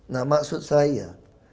nah maksud saya